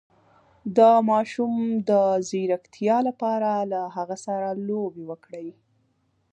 د ماشوم د ځیرکتیا لپاره له هغه سره لوبې وکړئ